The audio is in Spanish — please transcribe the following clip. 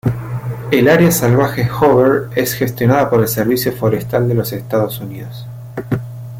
El área salvaje Hoover es gestionada por el Servicio Forestal de los Estados Unidos.